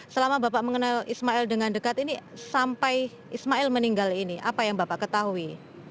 selama bapak mengenal ismail dengan dekat ini sampai ismail meninggal ini apa yang bapak ketahui